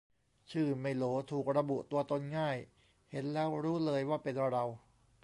ชื่อไม่โหล ถูกระบุตัวตนง่าย เห็นแล้วรู้เลยว่าเป็นเรา